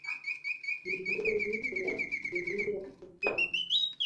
Mbinguni na dunia Hakuna